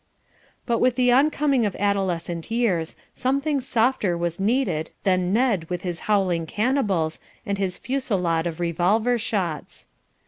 But with the oncoming of adolescent years something softer was needed than Ned with his howling cannibals and his fusillade of revolver shots.